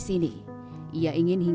tinggal juga dukung